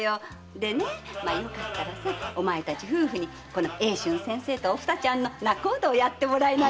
でねよかったらお前たち夫婦にこの英春先生とおふさちゃんの仲人をやってもらえないかと思ってね。